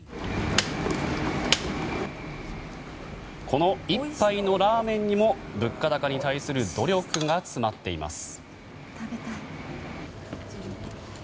この１杯のラーメンにも物価高に対する努力が詰まっています。